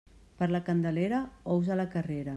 Per la Candelera, ous a la carrera.